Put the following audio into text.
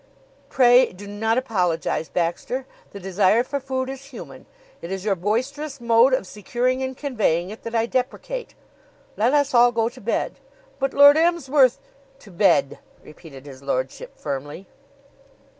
"Pray do not apologize, Baxter. The desire for food is human. It is your boisterous mode of securing and conveying it that I deprecate. Let us all go to bed." "But, Lord Emsworth " "To bed!" repeated his lordship firmly.